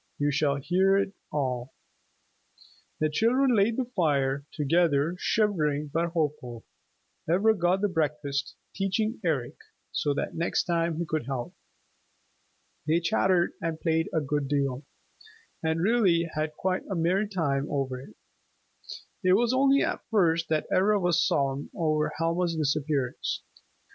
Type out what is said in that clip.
You shall hear it all. The children laid the fire, together, shivering but hopeful. Ivra got the breakfast, teaching Eric, so that next time he could help. They chattered and played a good deal, and really had quite a merry time over it. It was only at first that Ivra was solemn over Helma's disappearance.